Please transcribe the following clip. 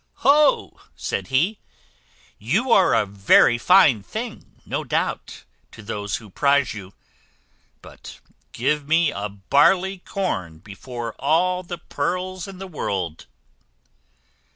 "Ho!" said he, "you are a very fine thing, no doubt, to those who prize you; but give me a barley corn before all the pearls in the world."